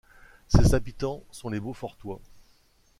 Ses habitants sont les Beaufortois.